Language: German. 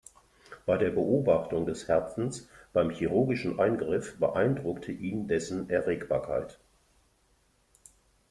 Bei der Beobachtung des Herzens beim chirurgischen Eingriff beeindruckte ihn dessen Erregbarkeit.